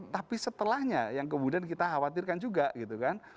tapi setelahnya yang kemudian kita khawatirkan juga gitu kan